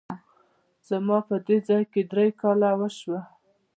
زما په دې ځای کي درې کاله وشوه !